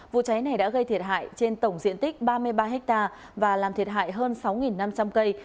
vụ cháy này đã gây thiệt hại trên tổng diện tích ba mươi ba ha và làm thiệt hại hơn sáu năm trăm linh cây